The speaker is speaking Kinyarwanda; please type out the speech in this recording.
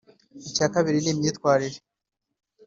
Icya kabiri ni imyitwarire